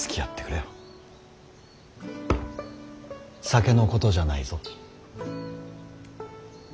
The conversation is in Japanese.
酒のことじゃないぞ。